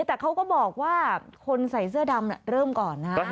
แต่เขาก็บอกว่าคนใส่เสื้อดำเริ่มก่อนนะ